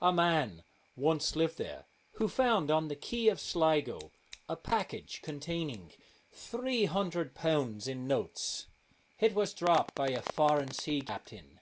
A man once lived there who found on the quay of Sligo a package containing three hundred pounds in notes. It was dropped by a foreign sea captain.